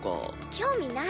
興味ない。